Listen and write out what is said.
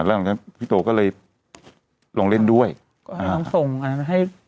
แล้วหลังจากนั้นพี่โตก็เลยลงเล่นด้วยก็ลองส่งอันให้